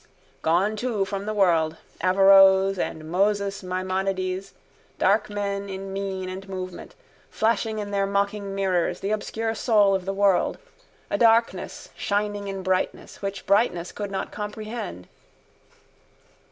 Gone too from the world, Averroes and Moses Maimonides, dark men in mien and movement, flashing in their mocking mirrors the obscure soul of the world, a darkness shining in brightness which brightness could not comprehend.